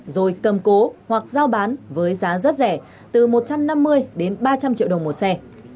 rồi cầm cố hoặc giao bán với giá rất rẻ từ một trăm năm mươi đến ba trăm linh triệu đồng một xe